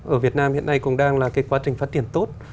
ở việt nam hiện nay cũng đang là cái quá trình phát triển tốt